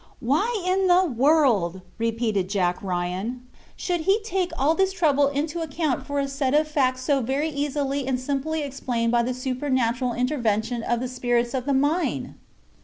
"Why in the world," repeated Jack Ryan, "should he take all this trouble to account for a set of facts so very easily and simply explained by the supernatural intervention of the spirits of the mine?"